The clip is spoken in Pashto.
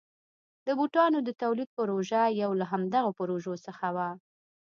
د بوټانو د تولید پروژه یو له همدغو پروژو څخه وه.